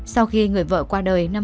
xác minh nguồn tin do nạn nhân cung cấp